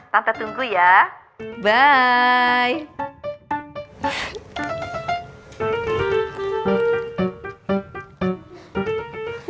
tante tunggu ya bye bye